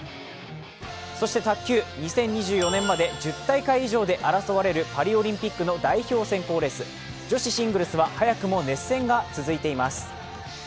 卓球、２０２４年まで１０大会以上で争われるパリオリンピックの代表選考レース、女子シングルスは早くも熱戦が続いています。